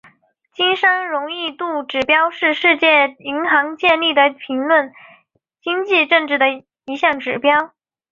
经商容易度指数是世界银行建立的评价经济政策的一项指标。